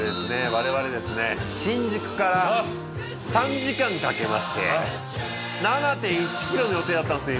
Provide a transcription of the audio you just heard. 我々ですね新宿から３時間かけまして７．１ｋｍの予定だったんですよ